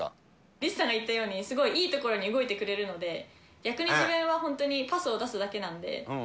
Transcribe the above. リツさんが言ったように、すごくいい所に動いてくれるので、逆に自分はほんとうパスを出すだけなんで。